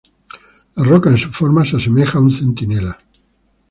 La roca, en su forma, se asemeja a un centinela.